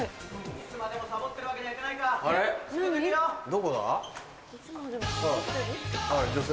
・いつまでもサボってるわけにはいかないか・どこだ？女性。